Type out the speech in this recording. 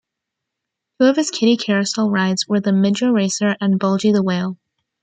Two of his kiddie carousel rides were the Midge-O-Racer and Bulgy the Whale.